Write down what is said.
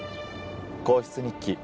『皇室日記』